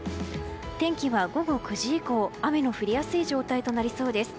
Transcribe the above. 天気は午後９時以降雨の降りやすい状態となりそうです。